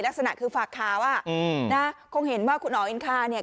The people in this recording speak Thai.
ลักษณะคือฝากข่าวอ่ะอืมนะคงเห็นว่าคุณอ๋ออินคาเนี่ย